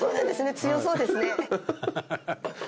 「強そうですね」